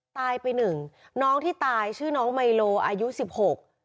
ตายไปหนึ่งน้องที่ตายชื่อน้องไมโลอายุสิบหก